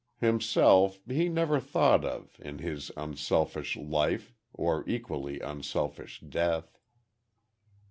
Himself, he never thought of, in his unselfish life or equally unselfish death.